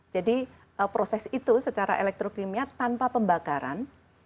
jadi proses itu secara elektrokimia tanpa pembakaran